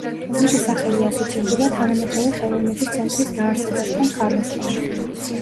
მისი სახელი ასოცირდება თანამედროვე ხელოვნების ცენტრის დაარსებასთან „ქარვასლაში“.